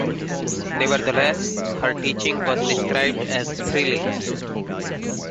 Nevertheless, her teaching was described as thrilling.